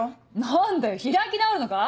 何だよ開き直るのか？